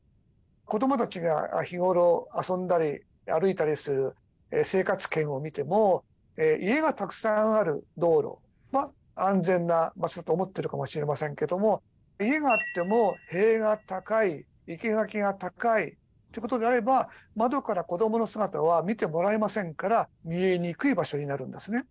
子どもたちが日頃遊んだり歩いたりする生活圏を見ても家がたくさんある道路は安全な場所と思ってるかもしれませんけども家があっても塀が高い生け垣が高いってことであれば窓から子どもの姿は見てもらえませんから見えにくい場所になるんですね。